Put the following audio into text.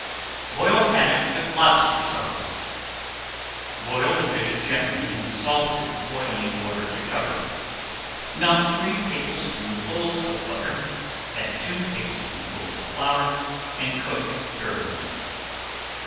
BOILED HADDOCK WITH LOBSTER SAUCE Boil the fish gently in salted boiling water to cover. Melt three tablespoonfuls of butter, add two tablespoonfuls of flour, and cook thoroughly.